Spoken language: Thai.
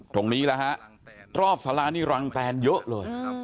ตรงนี้แหละฮะรอบสารานี่รังแตนเยอะเลย